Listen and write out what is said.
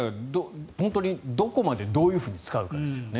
本当にどこまでどういうふうに使うかですよね。